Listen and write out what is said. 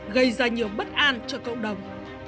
gây ra nhiều bất an cho cộng đồng